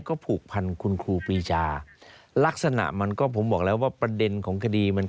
ก็ผูกพันคุณครูปีชาลักษณะมันก็ผมบอกแล้วว่าประเด็นของคดีมัน